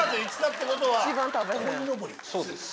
そうです。